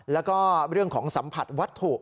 แล้วก็เรื่องของสัมผัสวัตถุ